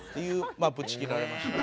まあブチギレられました。